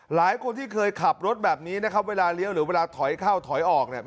หลายคนที่เคยขับรถแบบนี้นะครับเวลาเลี้ยวหรือเวลาถอยเข้าถอยออกเนี่ย